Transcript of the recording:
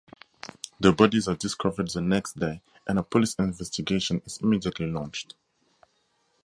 The bodies are discovered the next day, and a police investigation is immediately launched.